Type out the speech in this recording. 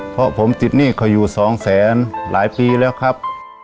เพราะผมติดหนี้เขาอยู่สองแสนหลายปีแล้วครับ